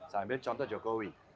saya ambil contoh jokowi